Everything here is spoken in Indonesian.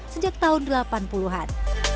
sejak tahun delapan puluh an